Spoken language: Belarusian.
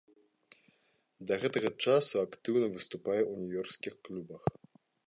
Да гэтага часу актыўна выступае ў нью-ёркскіх клубах.